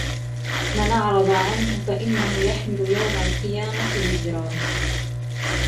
مَنْ أَعْرَضَ عَنْهُ فَإِنَّهُ يَحْمِلُ يَوْمَ الْقِيَامَةِ وِزْرًا